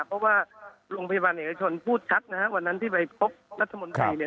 เพราะว่าโรงพยาบาลเอกชนพูดชัดนะฮะวันนั้นที่ไปพบรัฐมนตรีเนี่ย